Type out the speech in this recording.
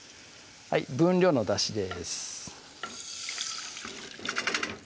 分量のだしです